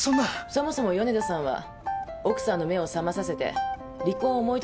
そもそも米田さんは奥さんの目を覚まさせて離婚を思いとどまらせたいんですよね？